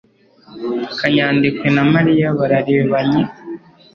Kanyadekwe na Mariya bararebanye.